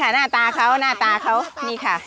หน้าตาเขาหน้าตาเขานี่ค่ะ